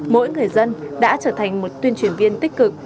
mỗi người dân đã trở thành một tuyên truyền viên tích cực